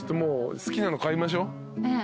好きなの買いましょ。